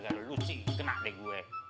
gara gara lo sih kenal deh gue